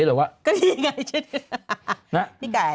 ก็เท่นนี้ไงพี่ไก่